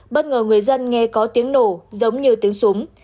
bất ngờ người dân nghe có tiếng nổ giống như tiếng súng